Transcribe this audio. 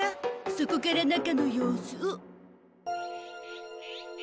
そこから中の様子を。